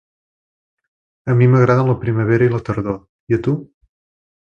A mi m'agraden la primavera i la tardor. I a tu?